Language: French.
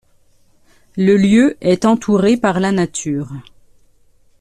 Le lieu est entouré par la nature.